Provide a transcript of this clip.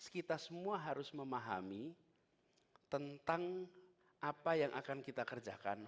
kita semua harus memahami tentang apa yang akan kita kerjakan